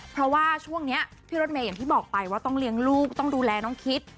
เพราะว่าช่วงนี้พี่รถเมย์อย่างที่บอกไปว่าต้องเลี้ยงลูกต้องดูแลน้องคิด